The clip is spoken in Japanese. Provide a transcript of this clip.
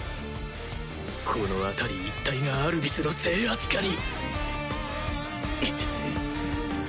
この辺り一帯がアルビスの制圧下に